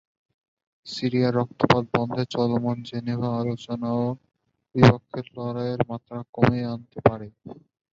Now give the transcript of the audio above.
সিরিয়ায় রক্তপাত বন্ধে চলমান জেনেভা আলোচনাও দুই পক্ষের লড়াইয়ের মাত্রা কমিয়ে আনতে পারেনি।